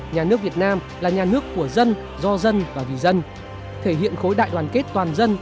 nhà nước việt nam là nhà nước của dân do dân và vì dân thể hiện khối đại đoàn kết toàn dân